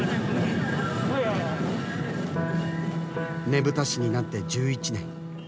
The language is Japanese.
ねぶた師になって１１年。